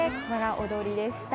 踊りでした。